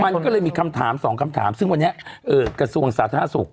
มันก็เลยมีคำถามสองคำถามซึ่งวันนี้กระทรวงสาธารณสุข